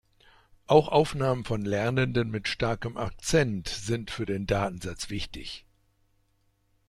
Auch Aufnahmen von Lernenden mit starkem Akzent sind für den Datensatz wichtig.